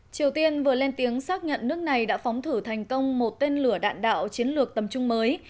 triều tiên vừa lên tiếng xác nhận nước này đã phóng thử thành công một tên lửa đạn đạo chiến lược tầm trung mới